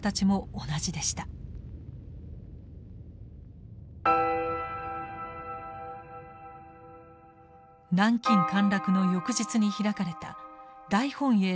南京陥落の翌日に開かれた大本営政府連絡会議。